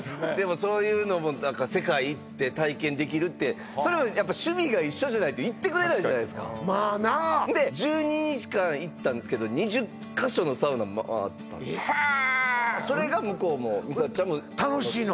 そういうのも世界行って体験できるってそれも趣味が一緒じゃないと行ってくれないじゃないですかまあなで１２日間行ったんですけど２０カ所のサウナ回ったへそれが向こうもみさとちゃんも楽しいの？